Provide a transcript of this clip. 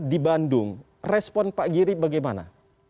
di bandung respon pak giri bagaimana